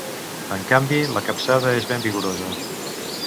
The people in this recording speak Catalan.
En canvi, la capçada és ben vigorosa.